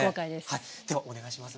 ではお願いします。